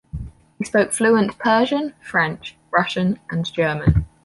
He spoke fluent Persian, French, Russian, and German.